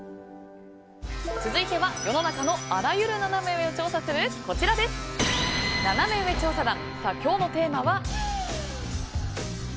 続いては世の中のあらゆるナナメ上のものを調査するナナメ上調査団。